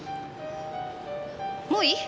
もういい？